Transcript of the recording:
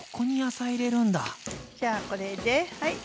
じゃあこれではい。